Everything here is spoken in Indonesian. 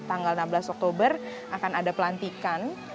tanggal enam belas oktober akan ada pelantikan